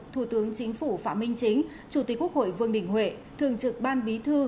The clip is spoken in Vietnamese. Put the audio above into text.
thủ tướng chính phủ phạm minh chính chủ tịch quốc hội vương đình huệ thường trực ban bí thư